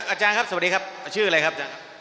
อาจารย์ครับสวัสดีครับชื่ออะไรครับ